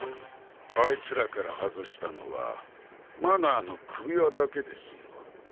あいつらから外したのはマナーの首輪だけですよ。